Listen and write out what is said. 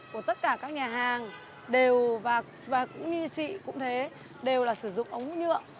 của tất cả các nhà hàng đều và cũng như chị cũng thế đều là sử dụng ống nhựa